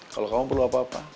kalau kamu perlu apa apa